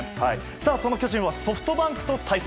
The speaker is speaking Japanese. その巨人はソフトバンクと対戦。